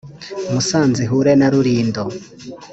Musanze ihure na Rulindo